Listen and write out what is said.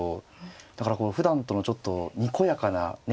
だからこのふだんとのちょっとにこやかなね